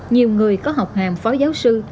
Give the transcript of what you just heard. nhiều người có học hàm phó giáo sư